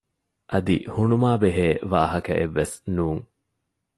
އަދި ހުނުމާބެހޭ ވާހަކައެއްވެސް ނޫން